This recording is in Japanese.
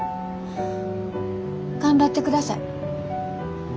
頑張ってください。